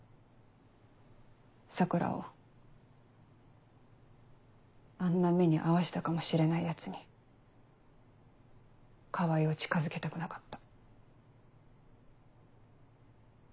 桜をあんな目に遭わしたかもしれないヤツに川合を近づけたくなかった。